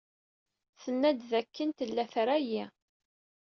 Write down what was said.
Tenna-d dakken tella tra-iyi.